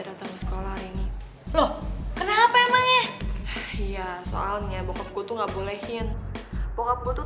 datang ke sekolah ini loh kenapa emangnya iya soalnya bokapku tuh nggak boleh hin bokapku tuh